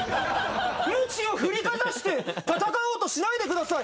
無知を振りかざして戦おうとしないでください！